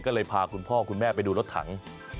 ก็เลยพาคุณพ่อคุณแม่ไปดูรถถัง